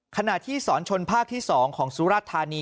ขณะที่สอนชนภาคที่๒ของสุรธานี